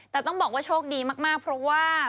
แต่ต้องบอกว่าโชคดีมากเพราะว่า